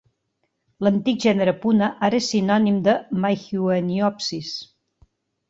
L'antic gènere "Puna" ara és sinònim de "Maihueniopsis".